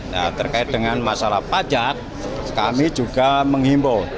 nah terkait dengan masalah pajak kami juga menghimbau